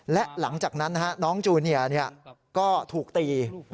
และหลังจากนั้นน้องจูเนียก็ถูกตี